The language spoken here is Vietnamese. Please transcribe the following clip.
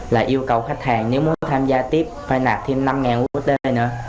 là yêu cầu khách hàng nếu muốn tham gia tiếp phải nạp thêm năm usd nữa